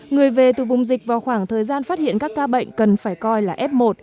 người về từ vùng dịch vào khoảng thời gian phát hiện các ca bệnh cần phải coi là f một